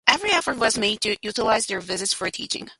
Every effort was made to utilize their visits for teaching.